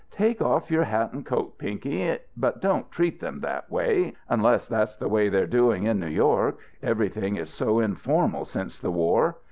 "Take off your hat and coat, Pinky, but don't treat them that way unless that's the way they're doing in New York. Everything is so informal since the war."